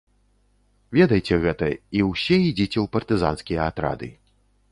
Ведайце гэта, і ўсе ідзіце ў партызанскія атрады.